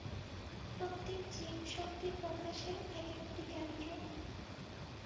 প্রত্যেক জীব শক্তিপ্রকাশের এক-একটি কেন্দ্র।